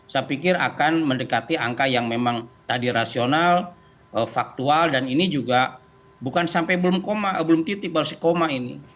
saya pikir akan mendekati angka yang memang tadi rasional faktual dan ini juga bukan sampai belum titip baru sekoma ini